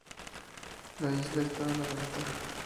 La isla está a la venta.